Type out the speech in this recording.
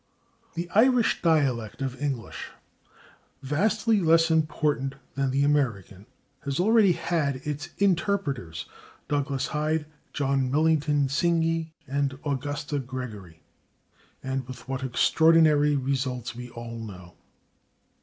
The Irish dialect of English, vastly less important than the American, has already had its interpreters Douglas Hyde, John Milington Synge and Augusta Gregory and with what extraordinary results we all know.